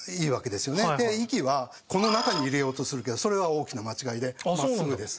息はこの中に入れようとするけどそれは大きな間違いで真っすぐです。